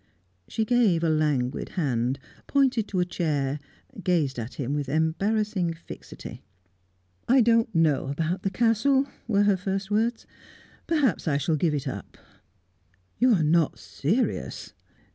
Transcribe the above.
She gave a languid hand, pointed to a chair, gazed at him with embarrassing fixity. "I don't know about the Castle," were her first words. "Perhaps I shall give it up." "You are not serious?"